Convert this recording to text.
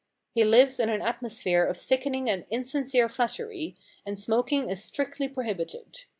He lives in an atmosphere of sickening and insincere flattery, and smoking is strictly prohibited.